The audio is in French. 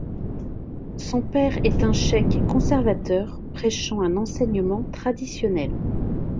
Son père est un cheikh conservateur prêchant un enseignement traditionnel.